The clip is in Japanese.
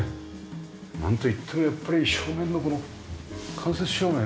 なんといってもやっぱり正面のこの間接照明ね。